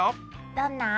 どんな？